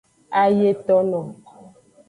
Ayetono.